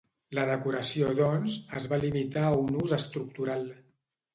La decoració doncs, es va limitar a un ús estructural.